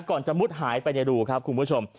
ก่อนจะมุดหายไปในรูครับคุณผู้ชม